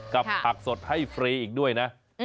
กับผักสดให้ฟรีอีกด้วยนะ